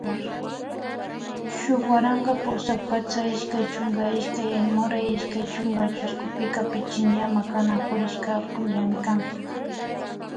Shuk waranka pusak patsak ishkay chunka ishkay Aymuray ishkay chunka chushkupika Pichincha Makanakurishka punllami kan